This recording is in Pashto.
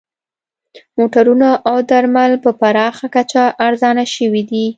موټرونه او درمل په پراخه کچه ارزانه شوي دي